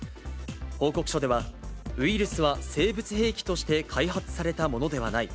報告書では、ウイルスは生物兵器として開発されたものではない。